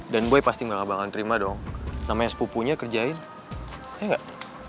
dan boy pasti gak bakalan terima dong namanya sepupunya kerjain iya gak